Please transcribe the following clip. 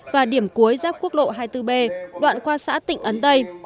và điểm cuối giáp quốc lộ hai mươi bốn b đoạn qua xã tịnh ấn tây